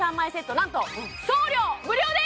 なんと送料無料です